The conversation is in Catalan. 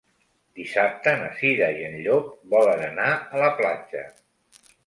Dissabte na Cira i en Llop volen anar a la platja.